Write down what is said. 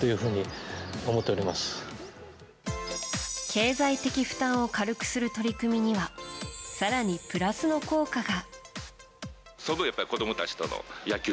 経済的負担を軽くする取り組みには更にプラスの効果が。